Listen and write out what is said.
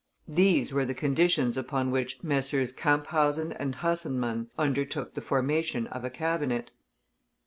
These were the conditions upon which Messrs. Camphausen and Hansemann undertook the formation of a cabinet.